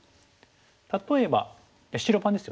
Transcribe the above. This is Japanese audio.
例えば白番ですよね。